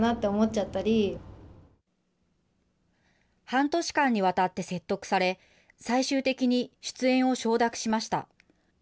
半年間にわたって説得され、最終的に出演を承諾しました。